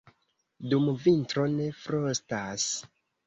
Dum vintro ne frostas.